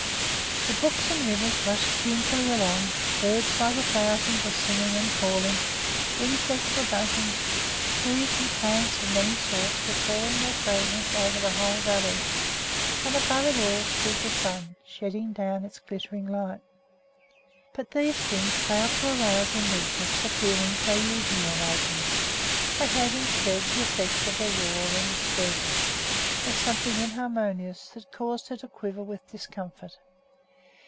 The brooks and rivers rushed tunefully along, birds by the thousands were singing and calling, insects were buzzing, trees and plants of many sorts were pouring their fragrance over the whole valley; and above it all stood the sun, shedding down its glittering light. But these things failed to arouse in Lisbeth the feelings they usually awakened. They had, instead, the effect of a roar and a disturbance, of something inharmonious that caused her to quiver with discomfort.